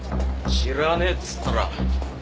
知らねえっつったらいきなり。